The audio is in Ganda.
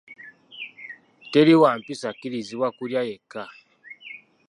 Teri wampisa akkirizibwa kulya yekka.